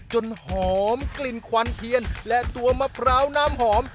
จนหอมกลิ่นควันเทียนและตัวมะพร้าวน้ำหอม